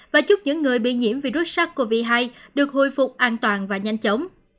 và chúc những người bị nhiễm virus sars cov hai được hồi phục an toàn và nhanh chóng